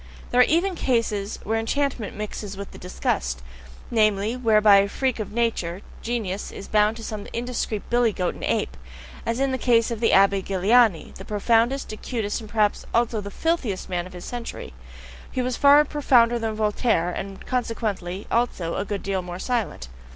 There are even cases where enchantment mixes with the disgust namely, where by a freak of nature, genius is bound to some such indiscreet billy goat and ape, as in the case of the Abbe Galiani, the profoundest, acutest, and perhaps also filthiest man of his century he was far profounder than Voltaire, and consequently also, a good deal more silent.